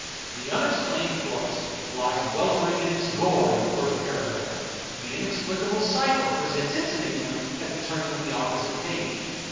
The unexplained corpse lies weltering in its gore in the first paragraph ; the inexplicable cipher pre sents its enigma at the turning of the opening page.